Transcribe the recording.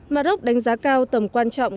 maroc đánh giá cao tầm quan trọng